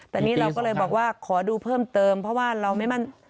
แต่นี่เราก็เลยบอกว่าขอดูเพิ่มเติมเพราะว่าเราไม่มั่น